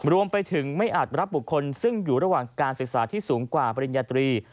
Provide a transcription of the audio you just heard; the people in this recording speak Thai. รวมไปถึงไม่อาจรับบุคคลซึ่งอยู่ระหว่างการศึกษาที่สูงกว่าปริญญาตรี